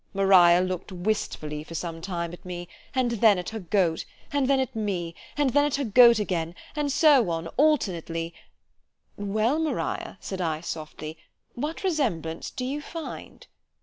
MARIA look'd wistfully for some time at me, and then at her goat——and then at me——and then at her goat again, and so on, alternately—— ——Well, Maria, said I softly——What resemblance do you find?